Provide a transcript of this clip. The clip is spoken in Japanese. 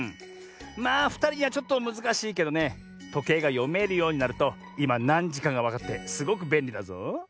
まあふたりにはちょっとむずかしいけどねとけいがよめるようになるといまなんじかがわかってすごくべんりだぞ。